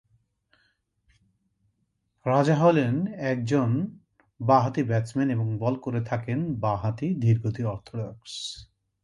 রাজা হলেন একজন বা-হাতি ব্যাটসম্যান এবং বল করে থাকেন বা-হাতি ধীরগতির অর্থডক্স।